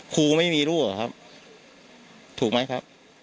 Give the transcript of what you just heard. ครูไม่มีลูกเหรอครับถูกไหมครับ